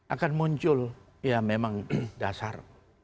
akan muncul ya memang dasar